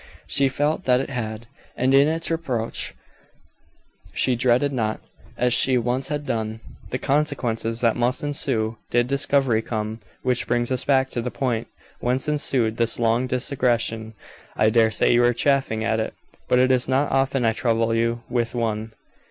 She felt that it had, and in its approach she dreaded not, as she once had done, the consequences that must ensue, did discovery come. Which brings us back to the point whence ensued this long digression. I dare say you are chafing at it, but it is not often I trouble you with one.